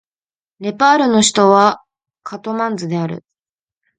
ネパールの首都はカトマンズである